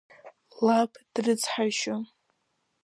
Лаб дрыцҳаишьон.